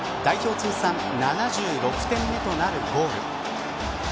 通算７６点目となるゴール。